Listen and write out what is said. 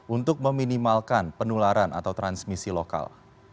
untuk meminimalkan penularan atau transmisi lokal